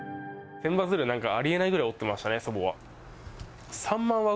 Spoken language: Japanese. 千羽鶴、ありえないくらい折ってましたね、祖母は。